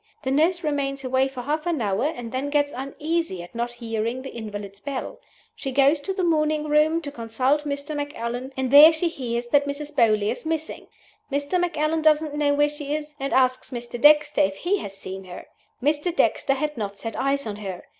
The nurse remains away for half an hour, and then gets uneasy at not hearing the invalid's bell. She goes to the Morning Room to consult Mr. Macallan, and there she hears that Mrs. Beauly is missing. Mr. Macallan doesn't know where she is, and asks Mr. Dexter if he has seen her. Mr. Dexter had not set eyes on her.